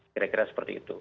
kira kira seperti itu